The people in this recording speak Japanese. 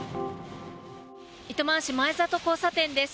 糸満市真栄里交差点です。